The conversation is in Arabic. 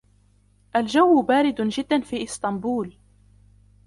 الجو بارد جدا فى استانبول.